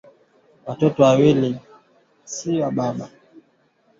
ADF ni wanamgambo wa Uganda ambao wamekuwa wakiendesha harakati zao mashariki mwa Kongo